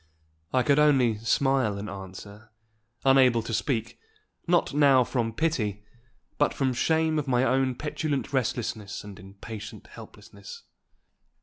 I could only smile an answer, unable to speak, not now from pity, but from shame of my own petulant restlessness and impatient helplessness.